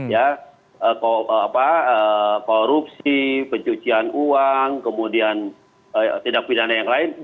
ya korupsi pencucian uang kemudian tindak pidana yang lain